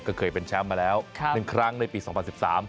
ก็เคยเป็นแชมป์มาแล้วค่ะหนึ่งครั้งในปีสองพันสิบสาม